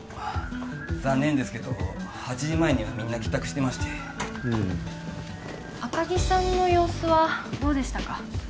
残念ですが８時前にはみんな帰宅してまして赤木さんの様子はどうでしたか？